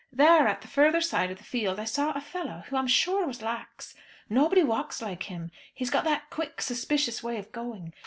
There, at the further side of the field, I saw a fellow, who I am sure was Lax. Nobody walks like him, he's got that quick, suspicious way of going.